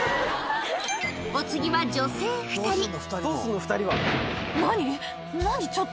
お次は女性２人下下下！